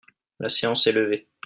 La séance est levée.